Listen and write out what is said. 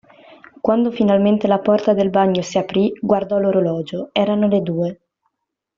Quando finalmente la porta del bagno si aprì, guardò l'orologio: erano le due.